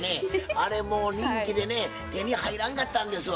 あれもう人気でね手に入らんかったんですわ。